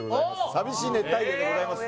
「淋しい熱帯魚」でございます